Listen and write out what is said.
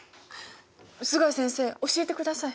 須貝先生教えてください。